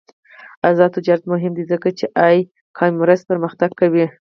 آزاد تجارت مهم دی ځکه چې ای کامرس پرمختګ کوي.